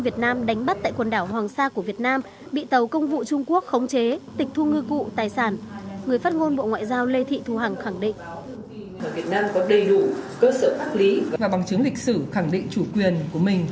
việt nam có đầy đủ cơ sở pháp lý và bằng chứng lịch sử khẳng định chủ quyền của mình